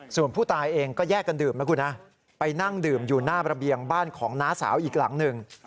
ส่วนผู้ตายเองก็แยกกันดื่มนะคุณนะไปนั่งดื่มอยู่หน้าระเบียงบ้านของน้าสาวอีกหลังหนึ่ง